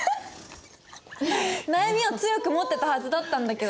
悩みを強く持ってたはずだったんだけどね。